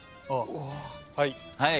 はい。